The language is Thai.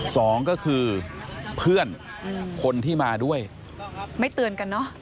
สองก็คือเพื่อนคนที่มาด้วยไม่เตือนกันเนอะ